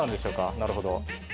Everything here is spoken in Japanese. なるほど。